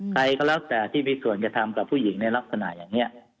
ใครก็แล้วแต่ที่มีส่วนกระทำกับผู้หญิงในลักษณะอย่างนี้